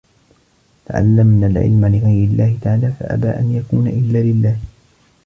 تَعَلَّمْنَا الْعِلْمَ لِغَيْرِ اللَّهِ تَعَالَى فَأَبَى أَنْ يَكُونَ إلَّا لِلَّهِ